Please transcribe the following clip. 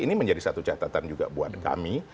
ini menjadi satu catatan juga buat kami